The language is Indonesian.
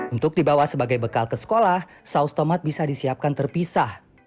untuk dibawa sebagai bekal ke sekolah saus tomat bisa disiapkan terpisah